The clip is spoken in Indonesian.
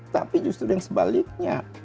tapi justru yang sebaliknya